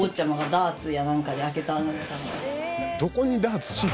どこにダーツして。